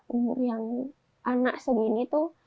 umur yang anak segini tuh